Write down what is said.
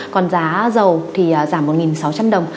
còn giá dầu thì giảm một sáu trăm linh đồng